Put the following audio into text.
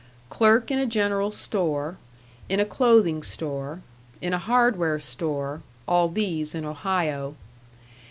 Clerk in a general store, in a clothing store, in a hardware store all these in Ohio.